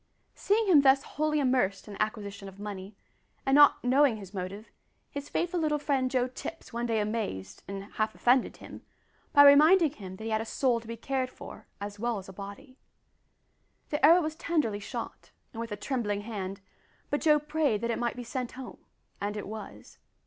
Seeing him thus wholly immersed in the acquisition of money, and not knowing his motive, his faithful little friend Joe Tipps one day amazed, and half offended him, by reminding him that he had a soul to be cared for as well as a body. The arrow was tenderly shot, and with a trembling hand, but Joe prayed that it might be sent home, and it was.